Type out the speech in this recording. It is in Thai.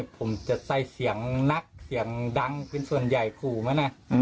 ผมจะใส่เสียงนักเสียงดังเป็นส่วนใหญ่ขู่มานะ